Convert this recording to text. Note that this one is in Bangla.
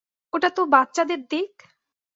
ওটা তো বাচ্চাদের দিক?